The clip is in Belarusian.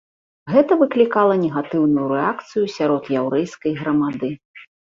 Гэта выклікала негатыўную рэакцыю сярод яўрэйскай грамады.